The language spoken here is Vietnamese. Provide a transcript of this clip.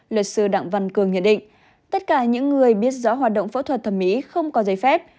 luật sư đặng văn cường nhận định tất cả những người biết rõ hoạt động phẫu thuật thẩm mỹ không có giấy phép